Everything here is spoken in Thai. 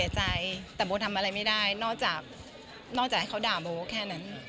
สิรธิ์ใจแต่ก็ทำอะไรไม่ได้นอกจากเขาด่ามบูดแค่นั้น